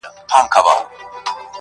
• ژبه یې لمبه ده اور په زړه لري -